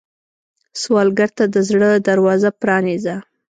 سوالګر ته د زړه دروازه پرانیزه